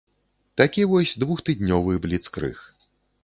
Такі вось двухтыднёвы бліцкрыг.